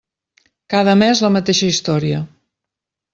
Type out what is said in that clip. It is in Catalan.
Cada mes, la mateixa història.